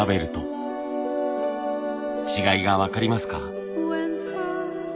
違いが分かりますか？